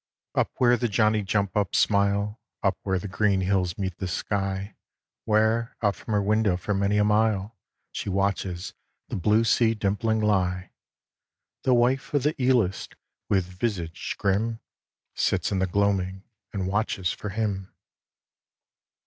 Up where the johnny jump ups smile, Up where the green hills meet the sky, Where, out from her window for many a mile, She watches the blue sea dimpling lie, The wife of the eelist, with vizage grim, Sits in the gloaming and watches for him.